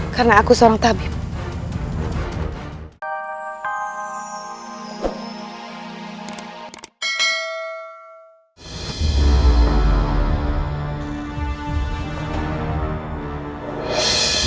karena aku seorang tabib